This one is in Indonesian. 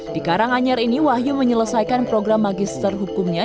di karanganyar ini wahyu menyelesaikan program magister hukumnya